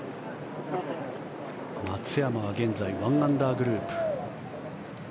松山は現在１アンダーグループ。